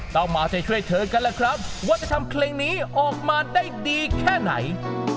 ต้องมาใจช่วยเธอกันล่ะครับว่าจะทำเพลงนี้ออกมาได้ดีแค่ไหน